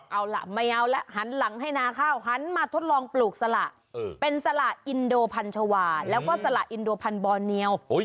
เอาล่ะไม่เอาแล้วหันหลังให้นาข้าวหันมาทดลองปลูกสละเป็นสละอินโดพันชาวาแล้วก็สละอินโดพันธบอร์เนียล